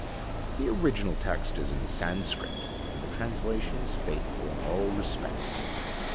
The original text is in Sanskrit, and the translation is faithful in all respects.